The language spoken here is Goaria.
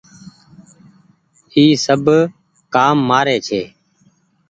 اي سب ڪآم مآري ڇي۔